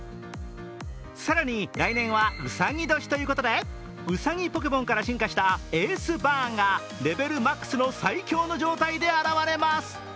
更に、来年はうさぎ年ということでうさぎポケモンから進化したエースバーンがレベルマックスの最強の状態で現れます。